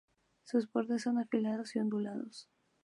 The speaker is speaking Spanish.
Sus bordes son afilados y ondulados.